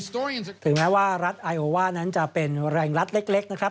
ซึ่งถึงแม้ว่ารัฐไอโอว่านั้นจะเป็นแรงรัฐเล็กนะครับ